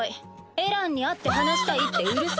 エランに会って話したいってうるさいの。